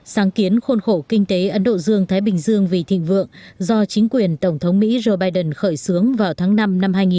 sáng kiến khôn khổ kinh tế ấn độ dương thái bình dương vì thịnh vượng do chính quyền tổng thống mỹ joe biden khởi xướng vào tháng năm năm hai nghìn một mươi bảy